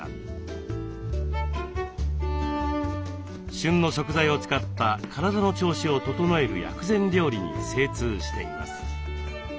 旬の食材を使った体の調子を整える薬膳料理に精通しています。